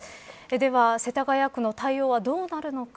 では、世田谷区の対応はどうなるのか。